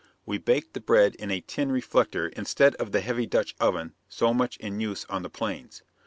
We baked the bread in a tin reflector instead of the heavy Dutch oven so much in use on the Plains.